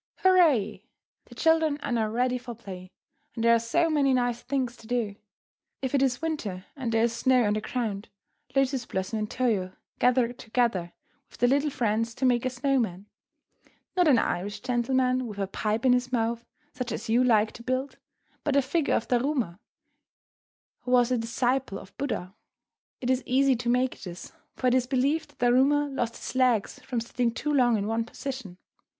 Hurrah! The children are now ready for play, and there are so many nice things to do. If it is winter and there is snow on the ground, Lotus Blossom and Toyo gather together with their little friends to make a snow man. Not an Irish gentleman with a pipe in his mouth, such as you like to build, but a figure of Daruma, who was a disciple of Buddha. It is easy to make this, for it is believed that Daruma lost his legs from sitting too long in one position.